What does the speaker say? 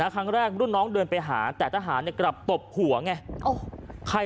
ครั้งแรกรุ่นน้องเดินไปหาแต่ทหารกลับตบหัวไง